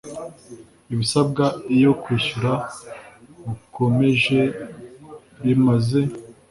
ibisabwa iyo kwishyura bukomeje bimaze